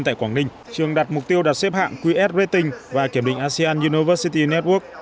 tại quảng ninh trường đặt mục tiêu đặt xếp hạng qs rating và kiểm định asean university network